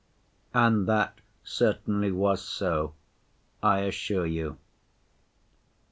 And that certainly was so, I assure you.